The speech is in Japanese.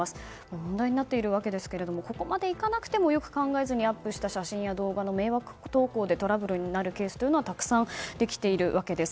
問題になっているわけですがここまでいかなくてもよく考えずにアップした写真や迷惑投稿でトラブルになるケースはたくさんできているわけです。